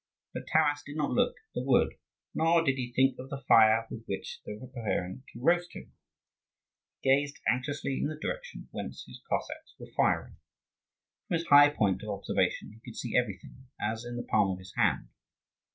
But Taras did not look at the wood, nor did he think of the fire with which they were preparing to roast him: he gazed anxiously in the direction whence his Cossacks were firing. From his high point of observation he could see everything as in the palm of his hand.